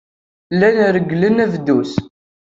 Llan regglen abduz.